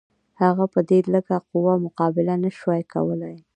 هغه په دې لږه قوه مقابله نه شوای کولای.